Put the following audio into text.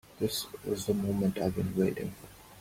This is the moment I have been waiting for.